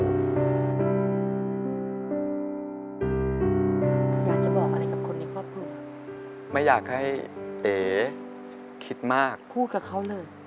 อยากจะบอกอะไรกับคนในครอบครัวไม่อยากให้เอ๋คิดมากพูดกับเขาเลย